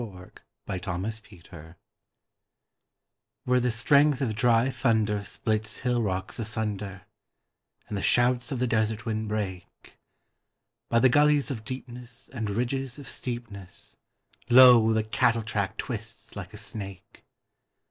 On a Cattle Track Where the strength of dry thunder splits hill rocks asunder, And the shouts of the desert wind break, By the gullies of deepness and ridges of steepness, Lo, the cattle track twists like a snake!